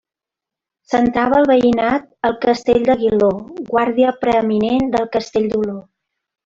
Centrava el veïnat el Castell d'Aguiló, guàrdia preeminent del Castell d'Oló.